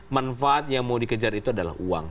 manfaat yang mau dikejar itu adalah uang